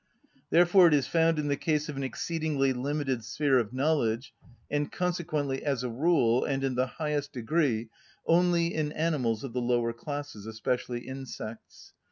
Therefore it is found in the case of an exceedingly limited sphere of knowledge, and consequently, as a rule, and in the highest degree, only in animals of the lower classes, especially insects.